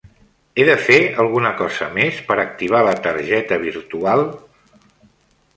He de fer alguna cosa més per activar la targeta virtual?